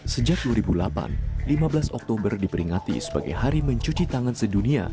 sejak dua ribu delapan lima belas oktober diperingati sebagai hari mencuci tangan sedunia